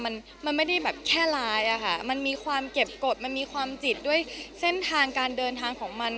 มันมันไม่ได้แบบแค่ร้ายอะค่ะมันมีความเก็บกฎมันมีความจิตด้วยเส้นทางการเดินทางของมัน